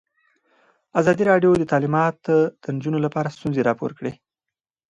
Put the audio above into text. ازادي راډیو د تعلیمات د نجونو لپاره ستونزې راپور کړي.